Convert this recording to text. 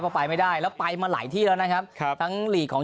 ก็ไปไม่ได้แล้วไปมาหลายที่แล้วนะครับครับทั้งหลีกของ